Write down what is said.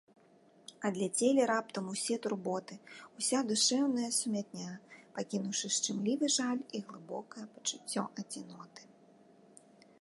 Адляцелі раптам усе турботы, уся душэўная сумятня, пакінуўшы шчымлівы жаль і глыбокае пачуццё адзіноты.